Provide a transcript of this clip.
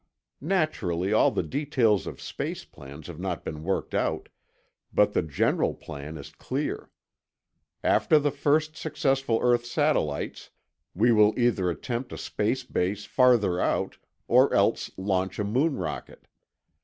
Naturally, all the details of space plans have not been worked out, but the general plan is clear. After the first successful earth satellites, we will either attempt a space base farther out or else launch a moon rocket.